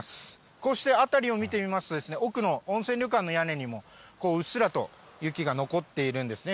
こうして辺りを見てみますと、奥の温泉旅館の屋根にも、うっすらと雪が残っているんですね。